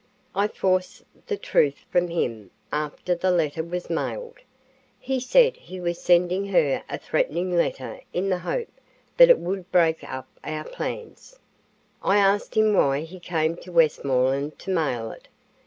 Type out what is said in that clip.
I forced the truth from him after the letter was mailed. He said he was sending her a threatening letter in the hope that it would break up our plans. I asked him why he came to Westmoreland to mail it.